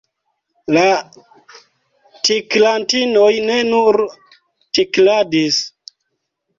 La tiklantinoj ne nur tikladis.